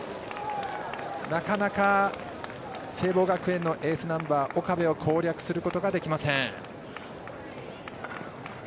なかなか聖望学園のエースナンバー岡部を攻略することができません。